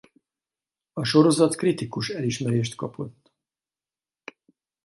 A sorozat kritikus elismerést kapott.